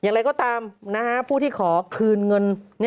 อย่างไรก็ตามผู้ที่ขอคืนเงิน